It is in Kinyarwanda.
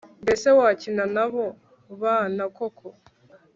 Mbese wakina nabo bana koko